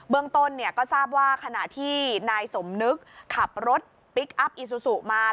เมืองต้นเนี่ยก็ทราบว่าขณะที่นายสมนึกขับรถพลิกอัพอีซูซูมา